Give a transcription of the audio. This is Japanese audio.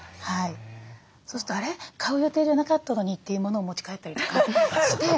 そうすると「あれ？買う予定じゃなかったのに」というものを持ち帰ったりとかして。